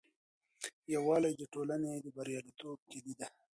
یووالي د ټولني د بریالیتوب کیلي ده.